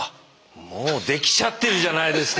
もう出来ちゃってるじゃないですか。